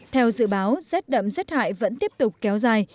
theo dự báo xét đậm xét hại vẫn tiếp tục kéo dài